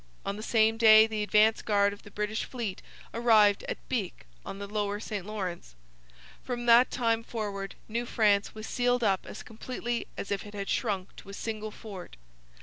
On the same day the advance guard of the British fleet arrived at Bic on the lower St Lawrence. From that time forward New France was sealed up as completely as if it had shrunk to a single fort.